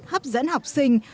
hấp dẫn học sinh